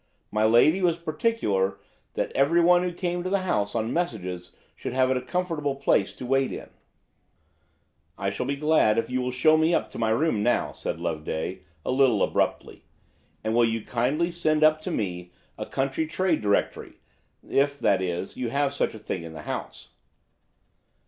"My lady" was particular that everyone who came to the house on messages should have a comfortable place to wait in. "I shall be glad if you will show me to my room now," said Loveday, a little abruptly; "and will you kindly send up to me a county trade directory, if, that is, you have such a thing in the house?"